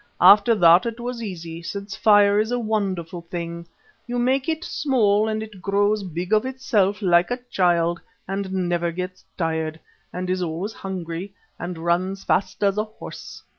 "After that it was easy, since fire is a wonderful thing. You make it small and it grows big of itself, like a child, and never gets tired, and is always hungry, and runs fast as a horse.